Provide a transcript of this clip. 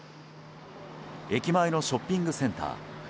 駅前のショッピングセンター。